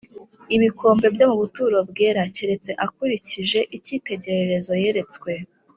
ibikombe byo mu buturo bwera keretse akurikije icyitegererezo yeretswe.